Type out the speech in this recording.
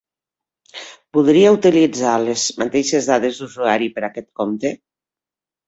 Voldria utilitzar les mateixes dades d'usuari per aquest compte?